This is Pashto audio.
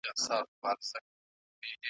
چي نن ولویږي له تخته سبا ګوري .